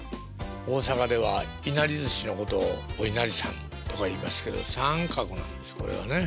大阪ではいなりずしのことをおいなりさんとかいいますけど三角なんですこれがね。